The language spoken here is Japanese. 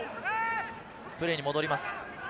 プレーに戻ります。